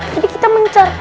jadi kita mencar